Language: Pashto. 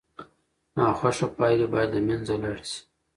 ناخوښه پایلې باید له منځه لاړې سي.